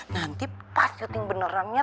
nanti pas syuting benerannya